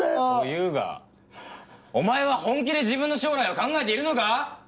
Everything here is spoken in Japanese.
そう言うがお前は本気で自分の将来を考えているのか？